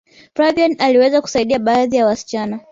flaviana aliweza kusaidia baadhi ya wasichana